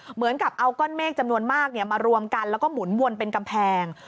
เหมือนกับเอาก้อนเมฆจำนวนมากมารวมกันแล้วก็หมุนวนเป็นกำแพง